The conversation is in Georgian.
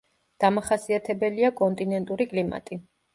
დამახასიათებელია კონტინენტური კლიმატი.